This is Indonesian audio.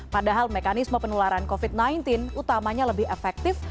padahal mekanisme penularan covid sembilan belas utamanya lebih efektif